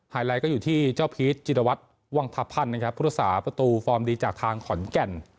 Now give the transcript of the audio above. ไลท์ก็อยู่ที่เจ้าพีชจิรวัตรวังทพันธ์นะครับผู้รักษาประตูฟอร์มดีจากทางขอนแก่น